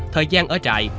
thời gian ở trại